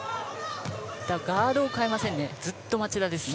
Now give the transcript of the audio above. ガードを代えませんね。